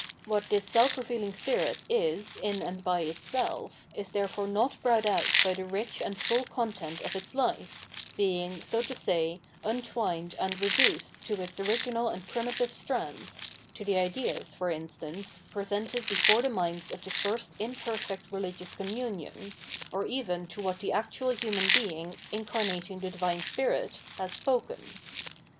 What this self revealing spirit is in and by itself, is therefore not brought out by the rich and full content of its life being, so to say, untwined and reduced to its original and prhnitive strands, to the ideas, for instance, presented before the minds of the first imperfect religious com munion, or even to what the actual human being * This paragraph is explanatory. 776 Phenomenology of Mind [incarnating the Divine Spirit]* has spoken.